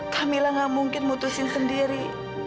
kamilah nggak mungkin mutusin sendiri